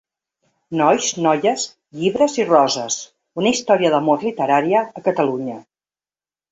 Nois, noies, llibres i roses: una història d’amor literària a Catalunya.